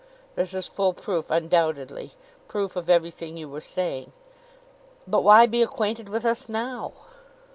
This is full proof undoubtedly; proof of every thing you were saying. But why be acquainted with us now?"